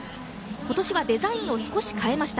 今年はデザインを少し変えました。